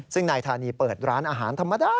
ซึ่งนายธานีเปิดร้านอาหารธรรมดา